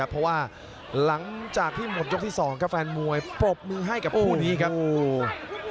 เพราะว่าหลังจากที่หมดยกที่สองครับแฟนมวยปรบมือให้กับคู่นี้ครับโอ้โห